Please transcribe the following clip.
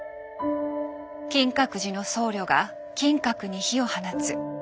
「金閣寺の僧侶が金閣に火を放つ」。